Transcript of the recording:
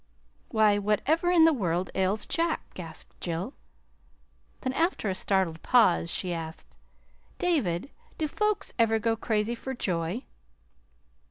"Why, whatever in the world ails Jack?" gasped Jill. Then, after a startled pause, she asked. "David, do folks ever go crazy for joy?